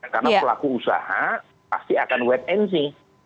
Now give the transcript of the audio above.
karena pelaku usaha pasti akan wet end sih